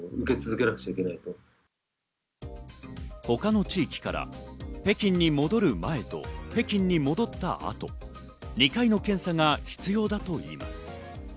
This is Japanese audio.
他の地域から北京に戻る前と北京に戻った後、２回の検査が必要だといいます。